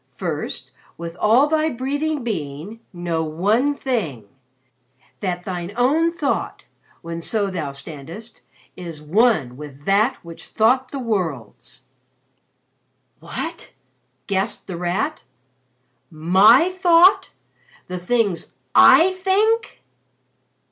First, with all thy breathing being, know one thing! That thine own thought when so thou standest is one with That which thought the Worlds!_'" "What?" gasped The Rat. "My thought the things I think!"